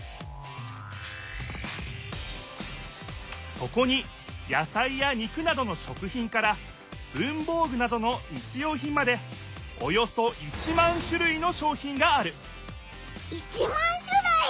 そこに野さいや肉などの食ひんから文ぼうぐなどの日用ひんまでおよそ１万しゅるいの商品がある１万しゅるい！？